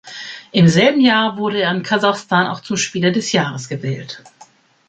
Im selben Jahr wurde er in Kasachstan auch zum Spieler des Jahres gewählt.